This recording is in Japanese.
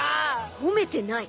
褒めてない。